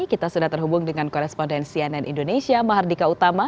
kita sudah terhubung dengan koresponden cnn indonesia mahardika utama